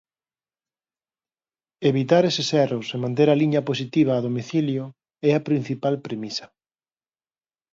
Evitar eses erros e manter a liña positiva a domicilio é a principal premisa.